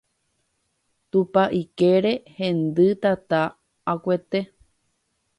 Tupa ykére hendy tata akuete